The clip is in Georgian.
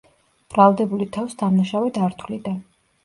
ბრალდებული თავს დამნაშავედ არ თვლიდა.